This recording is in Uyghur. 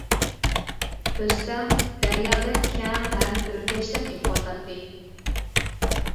ئۆستەڭ دەريادەك كەڭ ھەم ئۆركەشلەپ ئېقىۋاتاتتى.